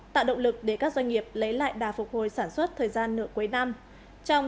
tạo động lực để các doanh nghiệp lấy lại đà phục hồi sản xuất thời gian nửa cuối năm